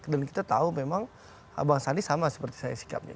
dan kita tahu memang bang sandi sama seperti saya sikapnya